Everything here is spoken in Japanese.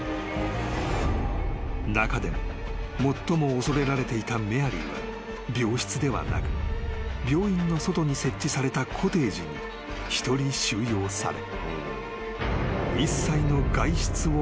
［中でも最も恐れられていたメアリーは病室ではなく病院の外に設置されたコテージに一人収容され］